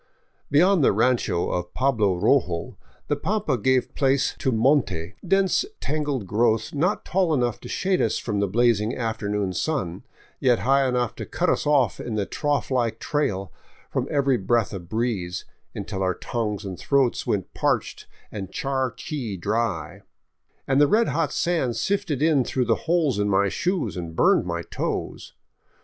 " Beyond the rancho of Pablo Rojo the pampa gave place to monte, dense tangled growth not tall enough to shade us from the blazing afternoon sun, yet high enough to cut us off in the trough like trail from every breath of breeze, until our tongues and throats went parched and charqui dry, and the red hot sand sifted in through the holes in my shoes and burned my toes.